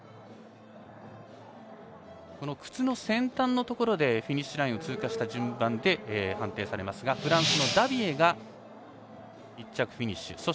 靴の先端のところでフィニッシュラインを通過した順番で判定されますがフランスのダビエが１着フィニッシュ。